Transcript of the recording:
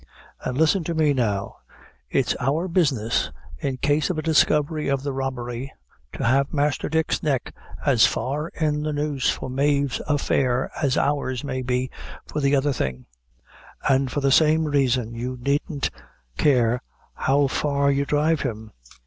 An' listen to me now, it's our business, in case of a discovery of the robbery, to have Masther Dick's neck as far in the noose for Mave's affair as ours may be for the other thing; an' for the same raison you needn't care how far you drive him.